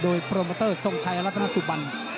โดยโปรโมเตอร์ทรงชัยรัฐนสุบัน